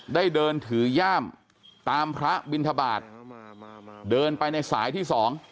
ได้เดินถือย่ามตามพระบินทบาทเดินไปในสายที่๒